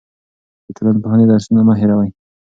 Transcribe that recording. د ټولنپوهنې درسونه مه هېروئ.